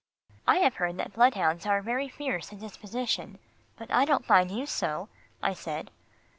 "I have heard that bloodhounds are very fierce in disposition, but I don't find you so," I said.